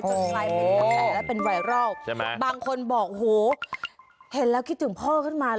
จนไลน์ประโยชน์แสดงแล้วเป็นไวรอลบางคนบอกเห็นแล้วคิดถึงพ่อกันมาเลย